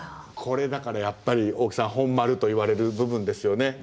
これだからやっぱり大木さん本丸といわれる部分ですよね。